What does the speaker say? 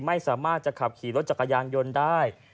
ไม่สามารถจะขับขี่รถจักรยานยนต์ได้